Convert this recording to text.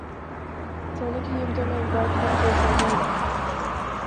سونے کی قیمتوں میں ایک بار پھر ہوشربا اضافہ